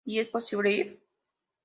Y es posible ir?